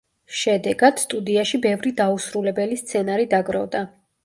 შედეგად სტუდიაში ბევრი დაუსრულებელი სცენარი დაგროვდა.